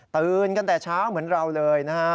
ตื่นกันแต่เช้าเหมือนเราเลยนะฮะ